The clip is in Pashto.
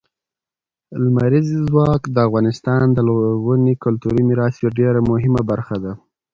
لمریز ځواک د افغانستان د لرغوني کلتوري میراث یوه ډېره مهمه برخه ده.